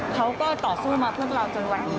เขาก็ต่อสู้มาพวกเราจนวันนี้